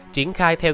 triển khai theo